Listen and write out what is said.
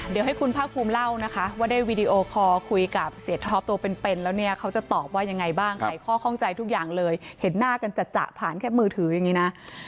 เดี๋ยวให้คุณภาคภูมิเล่านะคะว่าได้วีดีโอคอร์คุยกับเสียท็อปตัวเป็นแล้วเนี่ยเขาจะตอบว่ายังไงบ้างไขข้อข้องใจทุกอย่างเลยเห็นหน้ากันจัดผ่านแค่มือถืออย่างนี้นะ